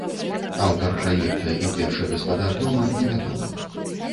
Аўтар праекта і першы гаспадар дома не вядомы.